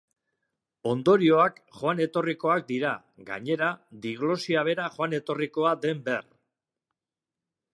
Ondorioak joan-etorrikoak dira, gainera, diglosia bera joan-etorrikoa den ber.